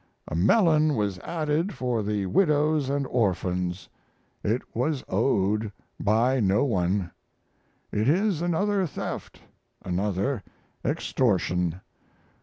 A melon was added for the widows and orphans. It was owed by no one. It is another theft, another extortion.